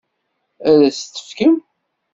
Ad as-t-tefkem?